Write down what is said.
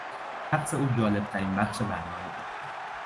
رقص او جالبترین بخش برنامه بود.